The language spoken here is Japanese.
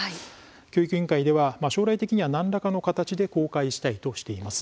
教育委員会では将来的には何らかの形で公開したいとしています。